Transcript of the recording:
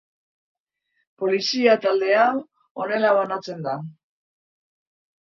Polizia taldea hau, honela banatzen da.